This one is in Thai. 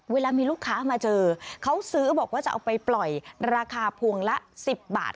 เวลามีลูกค้ามาเจอเขาซื้อบอกว่าจะเอาไปปล่อยราคาพวงละ๑๐บาท